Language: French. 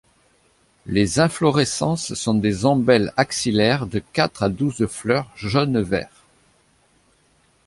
Les inflorescences sont des ombelles axillaires de quatre à douze fleurs jaune-vert.